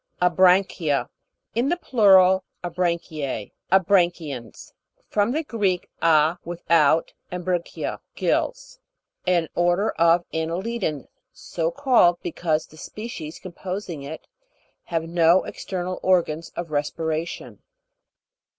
ASRAN'CHIA (a bran' kea). In the plural, abran'chiee. Abran'chians. From the Greek, a, without, and bragchia, gills. An order of anne lidans, so called, because the spe cies composing it have no external organs of respiration.